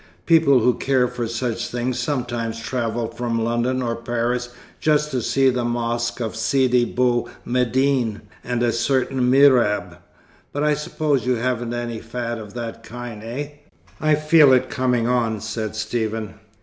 People who care for such things sometimes travel from London or Paris just to see the mosque of Sidi Bou Medine and a certain Mirab. But I suppose you haven't any fad of that kind, eh?" "I feel it coming on," said Stephen.